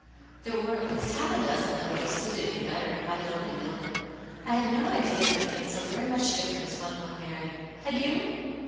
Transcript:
There were at least half a dozen that would have suited me better, if I had only known It. I had no idea that it made 30 very much difTerence when one married ; had you